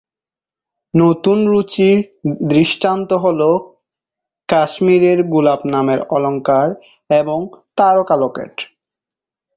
নতুন রুচির দৃষ্টান্ত হলো কাশ্মীরের গোলাপ নামের অলঙ্কার এবং তারকা লকেট।